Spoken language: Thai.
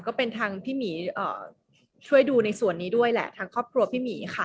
ก็เป็นทางพี่หมีช่วยดูในส่วนนี้ด้วยแหละทางครอบครัวพี่หมีค่ะ